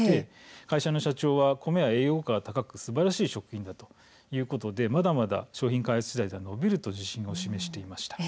会社の社長は米は栄養価が高くすばらしい食品だということでまだまだ商品開発しだいでは伸びると自信を示していました。